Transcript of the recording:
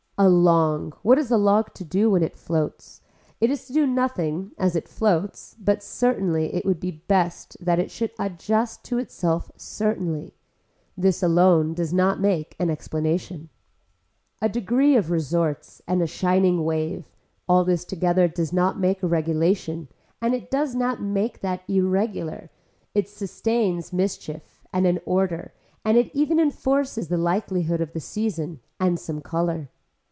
A long, what is a log to do when it floats, it is to do nothing as it floats but certainly it would be best that it should adjust that to itself certainly. This alone does not make an explanation. A degree of resorts and a shining wave all this together does not make a regulation and it does not make that irregular, it sustains mischief and an order and it even enforces the likelihood of the season and some color.